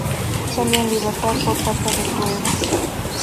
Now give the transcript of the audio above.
Salió en libertad por falta de pruebas.